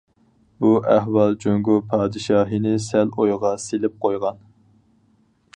بۇ ئەھۋال جۇڭگو پادىشاھىنى سەل ئويغا سېلىپ قويغان.